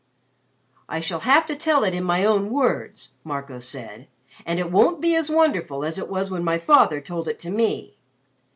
"I shall have to tell it in my own words," Marco said. "And it won't be as wonderful as it was when my father told it to me.